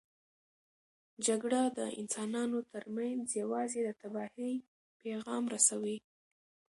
جګړه د انسانانو ترمنځ یوازې د تباهۍ پیغام رسوي.